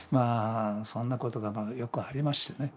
そんなことがよくありましてね